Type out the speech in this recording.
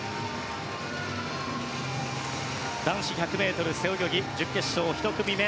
男子１００ｍ背泳ぎ準決勝１組目。